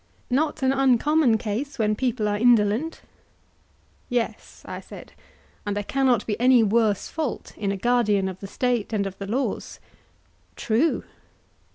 Not an uncommon case when people are indolent. Yes, I said; and there cannot be any worse fault in a guardian of the State and of the laws. True.